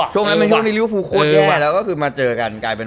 ช่วงนั้นมีริ้วฟูโคตรแย่แล้วก็คือมาเจอกัน